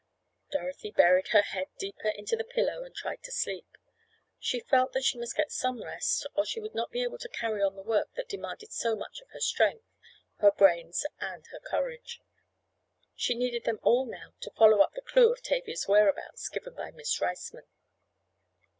Dorothy buried her head deeper into the pillow and tried to sleep. She felt that she must get some rest or she would not be able to carry on the work that demanded so much of her strength, her brains and her courage. She needed them all now to follow up the clue of Tavia's whereabouts given by Miss Riceman.